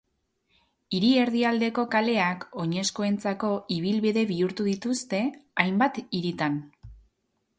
Hiri erdialdeko kaleak oinezkoentzako ibilbide bihurtu dituzte hainbat hiritan.